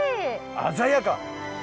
鮮やか！